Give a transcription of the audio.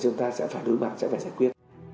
chúng ta sẽ phải đối mặt sẽ phải giải quyết